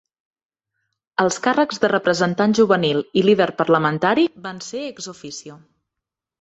Els càrrecs de Representant Juvenil i Líder Parlamentari van ser "ex officio".